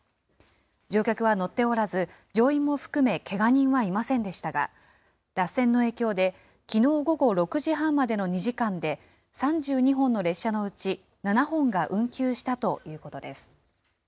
乗客は乗っておらず、乗員も含めけが人はいませんでしたが、脱線の影響で、きのう午後６時半までの２時間で３２本の列車のうち７本が運休したということです。